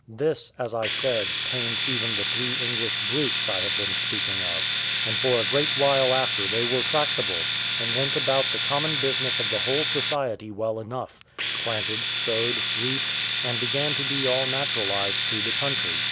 This, as I said, tamed even the three English brutes I have been speaking of; and for a great while after they were tractable, and went about the common business of the whole society well enough planted, sowed, reaped, and began to be all naturalised to the country.